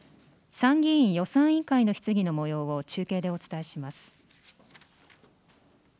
参議院予算委員会の質疑のもようを中継でお伝えします。